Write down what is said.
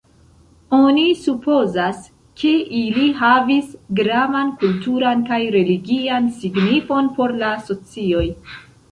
Oni supozas, ke ili havis gravan kulturan kaj religian signifon por la socioj.